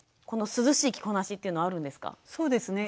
涼しい着こなしっていうのはあるんですか？